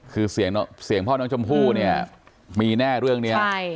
คือเสียงเสียงพ่อน้องชมผู้เนี้ยมีแน่เรื่องเนี้ยใช่